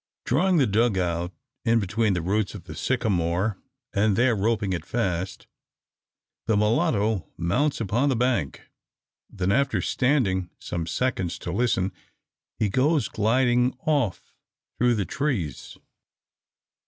Drawing the dug out in between the roots of the sycamore, and there roping it fast, the mulatto mounts upon the bank. Then after standing some seconds to listen, he goes gliding off through the trees.